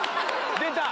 出た。